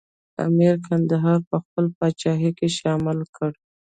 امیر کندهار په خپله پاچاهۍ کې شامل کړ.